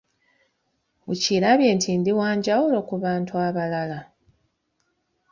Okirabye nti ndi wa njawulo ku bantu abalala.